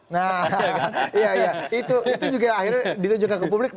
nah ya itu juga akhirnya ditunjukkan ke publik